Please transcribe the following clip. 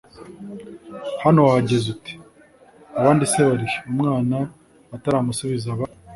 hano wahageze ute? abandi se bari he"? umwana ataramusubiza aba